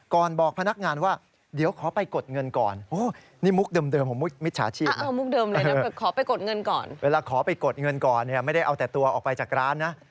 ก่อนบอกพนักงานว่าเดี๋ยวขอไปกดเงินก่อนเวลาขอไปกดเงินก่อนไม่ได้เอาแต่ตัวออกไปจากร้านนะ